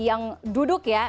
yang duduk ya